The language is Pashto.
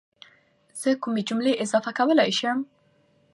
زه کومې جملې اضافه کولی شم؟